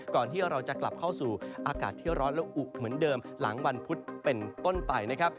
ที่เราจะกลับเข้าสู่อากาศที่ร้อนและอุเหมือนเดิมหลังวันพุธเป็นต้นไปนะครับ